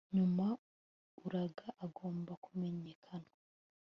nyuma, uraga agomba kumenyekana